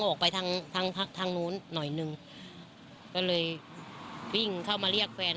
ออกไปทางทางพักทางนู้นหน่อยหนึ่งก็เลยวิ่งเข้ามาเรียกแฟน